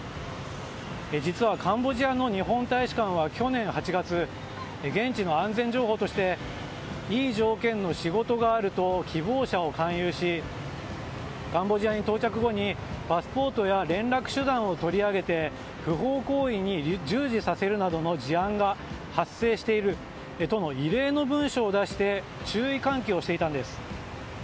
実はカンボジアの日本大使館は去年８月現地の安全情報としていい条件の仕事があると希望者を勧誘しカンボジアに到着後にパスポートや連絡手段を取り上げて不法行為に従事させるなどの事案が発生しているとの異例の文書を出して注意喚起をしていたんです。